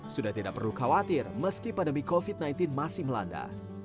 sudah tidak perlu khawatir meski pandemi covid sembilan belas masih melanda